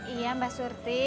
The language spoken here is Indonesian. iya mbak surti